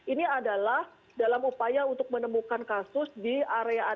ini adalah dalam upaya untuk menemukan kasus di area